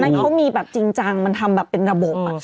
เขามีแบบจริงจังมันทำแบบเป็นระบบ